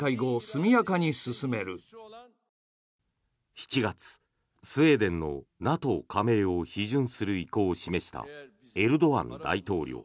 ７月、スウェーデンのＮＡＴＯ加盟を批准する意向を示したエルドアン大統領。